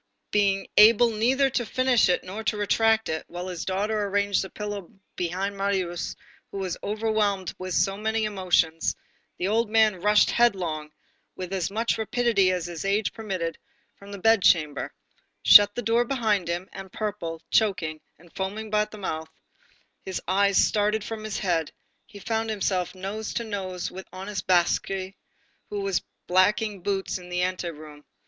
Being able neither to finish it nor to retract it, while his daughter arranged the pillow behind Marius, who was overwhelmed with so many emotions, the old man rushed headlong, with as much rapidity as his age permitted, from the bed chamber, shut the door behind him, and, purple, choking and foaming at the mouth, his eyes starting from his head, he found himself nose to nose with honest Basque, who was blacking boots in the anteroom.